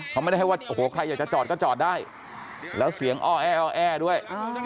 เขาไม่ได้ให้ว่าโอ้โหใครอยากจะจอดก็จอดได้แล้วเสียงอ้อแอด้วย